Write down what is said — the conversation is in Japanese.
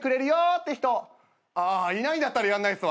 ああいないんだったらやんないっすわ。